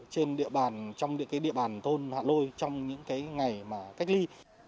trong địa bàn thôn hạ lôi trong những ngày cách ly